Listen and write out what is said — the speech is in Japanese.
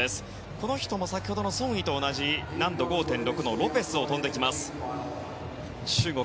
この人も先ほどのソン・イと同じ難度５．６のロペスを跳んできます。